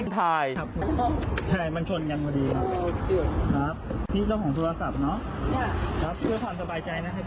พี่เป็นครูนะเว้ย